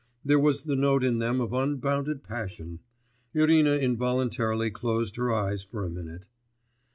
There was the note in them of unbounded passion. Irina involuntarily closed her eyes for a minute.